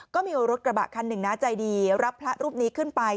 ก็มีรถกระบะคันหนึ่งนะใจดีรับพระรูปนี้ขึ้นไป